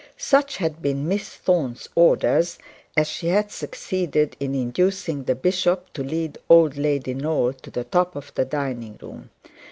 Such had been Miss Thorne's orders, as she had succeeded in inducing the bishop to lead old Lady Knowle to the top of the dining room.